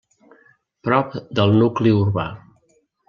Prop del nucli urbà.